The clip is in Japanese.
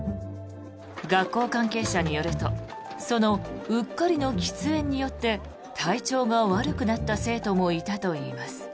学校関係者によるとそのうっかりの喫煙によって体調が悪くなった生徒もいたといいます。